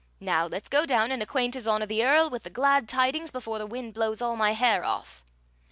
Now let's go down and acquaint His Honor the Earl with the glad tidings before the wind blows all my hair off!"